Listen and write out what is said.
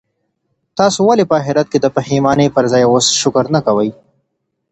تاسي ولي په اخیرت کي د پښېمانۍ پر ځای اوس شکر نه کوئ؟